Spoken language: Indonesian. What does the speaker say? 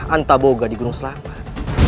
antaboga di gunung selamat